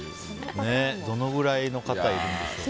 どのぐらいの方いるんでしょうね。